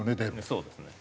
そうですね。